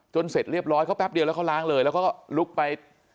เสร็จเรียบร้อยเขาแป๊บเดียวแล้วเขาล้างเลยแล้วก็ลุกไป